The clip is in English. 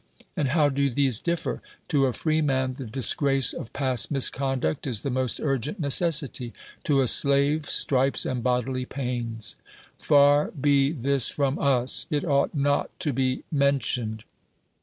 And how do these differ? To a freeman, the disgrace of past misconduct is the most urgent necessity; to a slave stripes and bodily pains. Far bo this from us ! It ought not to be mentioned.